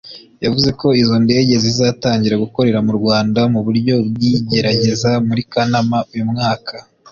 yavuze ko izo ndege zizatangira gukorera mu Rwanda mu buryo bw’igerageza muri Kanama uyu mwaka